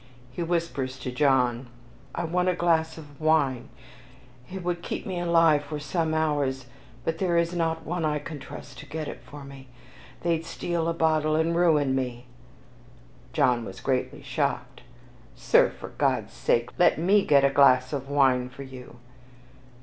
He whispers to John: "I want a glass of wine, it would keep me alive for some hours, but there is not one I can trust to get it for me, they'd steal a bottle, and ruin me." John was greatly shocked. "Sir, for God's sake, let ME get a glass of wine for you."